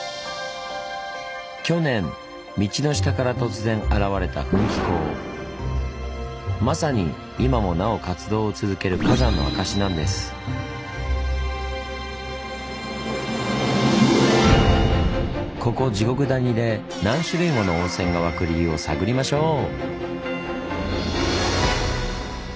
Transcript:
去年道の下から突然現れたまさに今もなお活動を続けるここ地獄谷で何種類もの温泉が湧く理由を探りましょう！